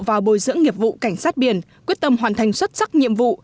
và bồi dưỡng nghiệp vụ cảnh sát biển quyết tâm hoàn thành xuất sắc nhiệm vụ